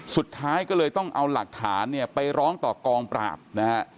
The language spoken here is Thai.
สุดท้ายก็เลยต้องเอาหลักฐานเนี่ยไปร้องต่อกองปราบนะฮะ